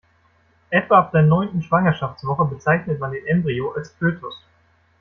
Etwa ab der neunten Schwangerschaftswoche bezeichnet man den Embryo als Fötus.